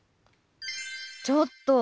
ちょっと！